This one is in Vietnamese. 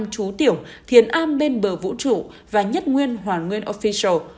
năm chú tiểu thiền an bên bờ vũ trụ và nhất nguyên hoàn nguyên official